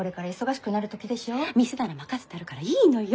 店なら任せてあるからいいのよ！